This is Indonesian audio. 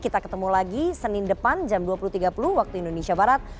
kita ketemu lagi senin depan jam dua puluh tiga puluh waktu indonesia barat